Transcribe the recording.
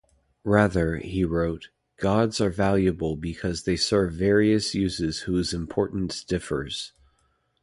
Rather, he wrote, goods are valuable because they serve various uses whose importance differs.